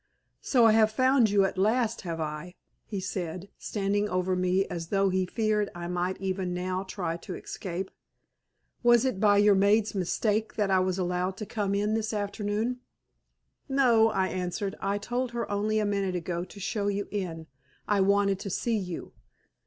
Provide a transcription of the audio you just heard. "So I have found you at last, have I?" he said, standing over me as though he feared I might even now try to escape. "Was it by your maid's mistake that I was allowed to come in this afternoon?" "No," I answered; "I told her only a minute ago to show you in. I wanted to see you."